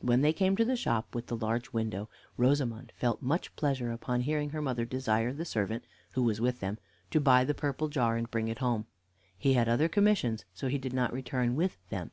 When they came to the shop with the large window, Rosamond felt much pleasure upon hearing her mother desire the servant, who was with them, to buy the purple jar, and bring it home. He had other commissions, so he did not return with them.